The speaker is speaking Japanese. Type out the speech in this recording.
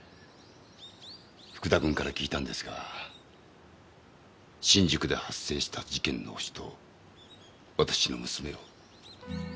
福田くんから聞いたんですが新宿で発生した事件のホシと私の娘を。